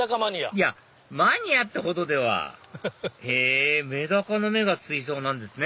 いやマニアってほどではへぇメダカの目が水槽なんですね